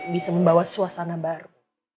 bisa membawa suasana baru